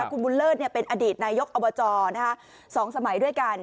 คุณบุญเลิศเป็นอดีตนายกอบจ๒สมัยด้วยกัน